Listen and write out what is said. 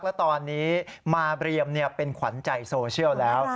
และตอนนี้มาเรียมเป็นขวัญใจโซเชียลแล้ว